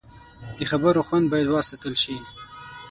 د خبرو خوند باید وساتل شي